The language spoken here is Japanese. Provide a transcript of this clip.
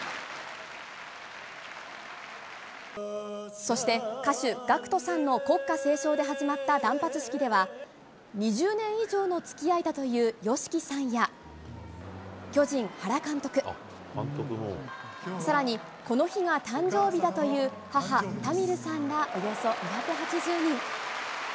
そして歌手、ＧＡＣＫＴさんの国歌斉唱で始まった断髪式では、２０年以上のつきあいだというＹＯＳＨＩＫＩさんや、巨人、原監督、さらに、この日が誕生日だという母、タミルさんらおよそ２８０人。